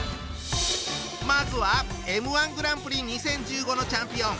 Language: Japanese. まずはＭ−１グランプリ２０１５のチャンピオン。